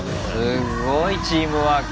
すっごいチームワーク。